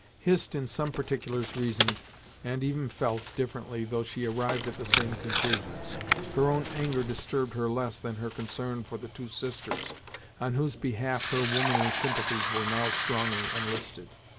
Hist in some particulars reasoned, and even felt, differently though she arrived at the same conclusions. Her own anger disturbed her less than her concern for the two sisters, on whose behalf her womanly sympathies were now strongly enlisted.